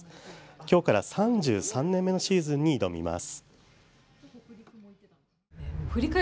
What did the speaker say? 今日から３３年目のシーズンに挑みます。